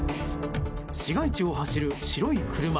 市街地を走る白い車。